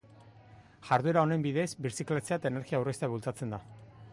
Jarduera honen bidez, birziklatzea eta energia aurreztea bultzatzen da.